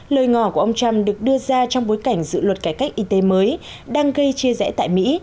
lời ngỏ của ông trump được đưa ra trong bối cảnh dự luật cải cách y tế mới đang gây chia rẽ tại mỹ